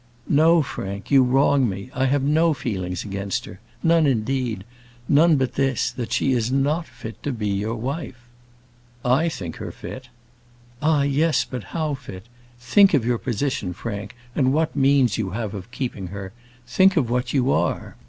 "No, Frank; you wrong me. I have no feelings against her none, indeed; none but this: that she is not fit to be your wife." "I think her fit." "Ah, yes; but how fit? Think of your position, Frank, and what means you have of keeping her. Think what you are.